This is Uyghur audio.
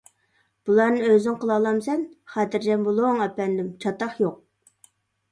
-بۇلارنى ئۆزۈڭ قىلالامسەن؟ -خاتىرجەم بولۇڭ ئەپەندىم، چاتاق يوق.